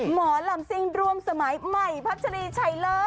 หมอลำซิ่งร่วมสมัยใหม่พัชรีชัยเลิศ